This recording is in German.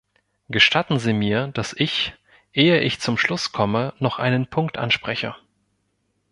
Gestatten Sie mir, dass ich, ehe ich zum Schluss komme, noch einen Punkt anspreche.